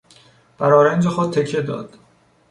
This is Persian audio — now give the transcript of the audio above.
بر آرنج خود تکه داد.